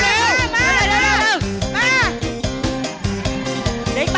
เร็วเร็วเร็วเร็ว